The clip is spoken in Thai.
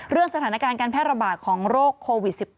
เรื่องสถานการณ์การแพทย์ระบาดของโรคโควิด๑๙